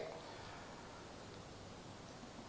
saya persempit ke